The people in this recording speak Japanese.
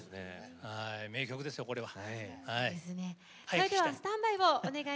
名曲ですよ、これは。